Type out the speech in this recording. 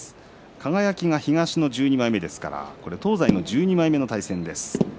輝が東の１２枚目ですから東西の１２枚目の対戦です。